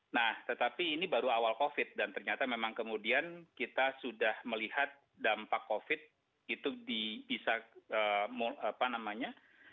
nah tetapi ini baru awal covid dan ternyata memang kemudian kita sudah melihat dampak covid itu bisa apa namanya